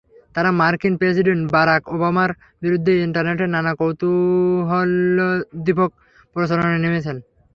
তাঁরা মার্কিন president Barack ওবামার বিরুদ্ধে ইন্টারনেটে নানা কৌতূহলোদ্দীপক প্রচারণায় নেমেছেন।